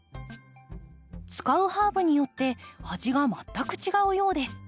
使うハーブによって味が全く違うようです。